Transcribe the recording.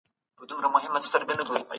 چا په دې کتابتون کي ارزښتمن کتابونه ایښي دي؟